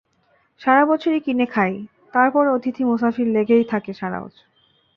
সারা বছরই কিনে খাই, তার পরও অতিথি-মুসাফির লেগেই থাকে সারা বছর।